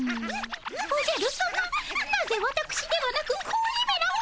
おじゃるさまなぜわたくしではなく子鬼めらを？